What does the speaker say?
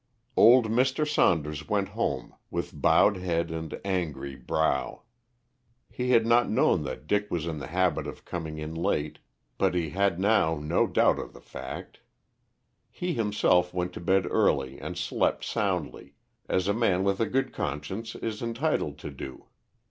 Old Mr. Saunders went home with bowed head and angry brow. He had not known that Dick was in the habit of coming in late, but he had now no doubt of the fact. He himself went to bed early and slept soundly, as a man with a good conscience is entitled to do.